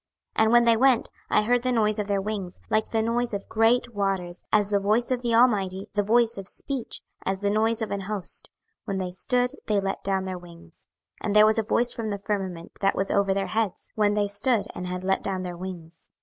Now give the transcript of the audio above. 26:001:024 And when they went, I heard the noise of their wings, like the noise of great waters, as the voice of the Almighty, the voice of speech, as the noise of an host: when they stood, they let down their wings. 26:001:025 And there was a voice from the firmament that was over their heads, when they stood, and had let down their wings.